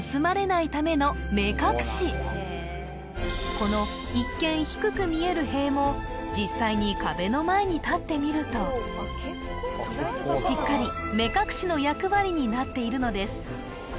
この一見低く見える塀も実際に壁の前に立ってみるとしっかり目隠しの役割になっているのです